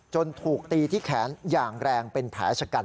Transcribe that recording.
ถูกตีที่แขนอย่างแรงเป็นแผลชะกัน